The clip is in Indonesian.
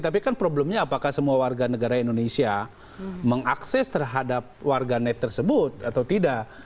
tapi kan problemnya apakah semua warga negara indonesia mengakses terhadap warganet tersebut atau tidak